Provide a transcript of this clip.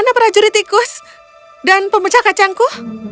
bagaimana prajurit tikus dan pemecah kacangku